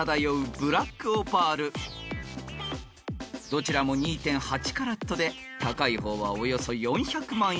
［どちらも２．８カラットで高い方はおよそ４００万円］